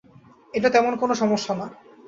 এটা তেমন কোন সমস্যা না।